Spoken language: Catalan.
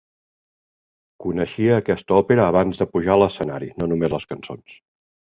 Coneixia aquesta òpera abans de pujar a l'escenari, no només les cançons.